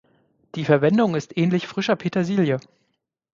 Die Verwendung ist ähnlich frischer Petersilie.